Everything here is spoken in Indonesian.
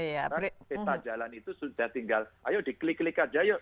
karena kita jalan itu sudah tinggal ayo diklik klik saja yuk